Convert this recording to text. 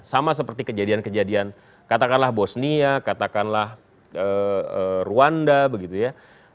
sama seperti kejadian kejadian katakanlah bosnia katakanlah ruanda begitu ya